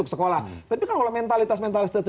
sekolah tapi kalau mentalitas mentalitas